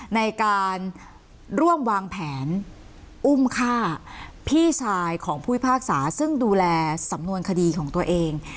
ในการร่วมวางแผนอุ้มฆ่าพี่ชายของผู้พิพากษาซึ่งดูแลสำนวนคดีของตัวเอง